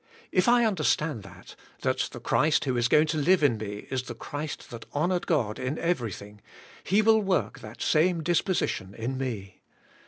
If I understand that, that the Christ who is going to live in me is the Christ that honored God in everything. He will work that same disposition iti me.